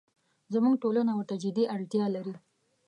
زموږ ټولنه ورته جدي اړتیا لري.